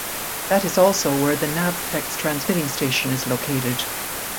That is also where the Navtex transmitting station is located.